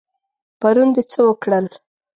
پرون د څه وکړل؟